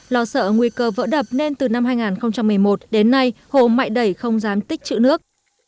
lo sợ nguy cơ vỡ đập nên từ năm hai nghìn một mươi một đến nay hồ mại đẩy không dám tích chữ nước